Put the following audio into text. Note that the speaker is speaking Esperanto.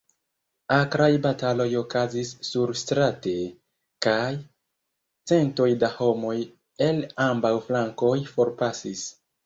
Akraj bataloj okazis surstrate, kaj centoj da homoj el ambaŭ flankoj forpasis.